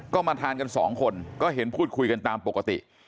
ก็มาทานกันสองคนก็เห็นพูดคุยกันตามปกติ